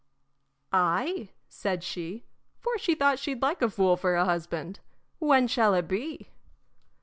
"Ay," said she, for she thought she'd like a fool for a husband, "when shall it be?"